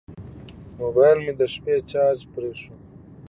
موبایل مې د شپې چارج پرې شو.